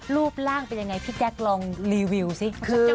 รูปร่างเป็นยังไงพี่แจ๊คลองรีวิวสิ